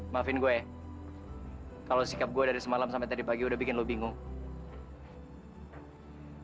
maafin gue kalau sikap gue dari semalam sampai tadi pagi udah bikin lo bingung